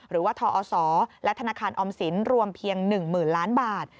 หรือว่าทอศและธนาคารออมสินรวมเพียง๑๐๐๐ล้านบาท